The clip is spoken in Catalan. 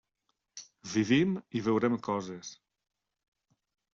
Vivim, i veurem coses.